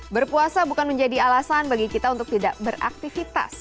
berpuasa bukan menjadi alasan bagi kita untuk tidak beraktivitas